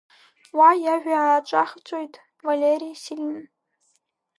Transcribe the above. Уа иажәа ааҿахҵәоит Валери Силин.